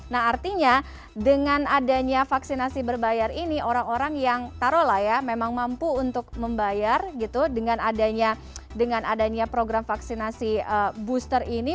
nah artinya dengan adanya vaksinasi berbayar ini orang orang yang taruh lah ya memang mampu untuk membayar gitu dengan adanya program vaksinasi booster ini